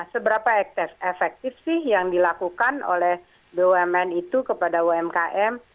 seberapa efektif sih yang dilakukan oleh bumn itu kepada umkm